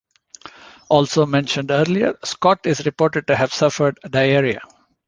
Also mentioned earlier, Scott is reported to have suffered diarrhea.